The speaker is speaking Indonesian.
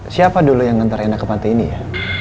siapa dulu yang nantar ena ke pantai ini ya